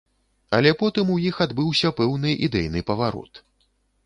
Але потым у іх адбыўся пэўны ідэйны паварот.